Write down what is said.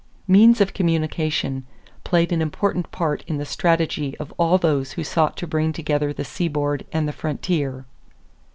= Means of communication played an important part in the strategy of all those who sought to bring together the seaboard and the frontier.